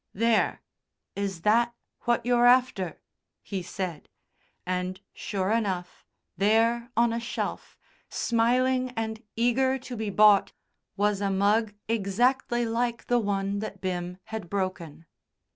"There, is that what you're after?" he said, and, sure enough, there on a shelf, smiling and eager to be bought, was a mug exactly like the one that Bim had broken.